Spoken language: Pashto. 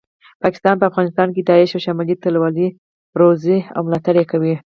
پاکستان په افغانستان کې داعش او شمالي ټلوالي روزي او ملاټړ یې کوي